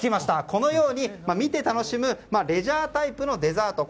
このように見て楽しむレジャータイプのデザート。